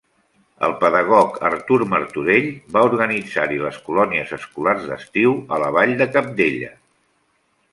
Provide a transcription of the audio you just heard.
El pedagog Artur Martorell va organitzar-hi les Colònies Escolars d'Estiu a la vall de Cabdella.